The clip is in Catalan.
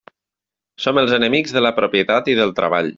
Som els enemics de la propietat i del treball.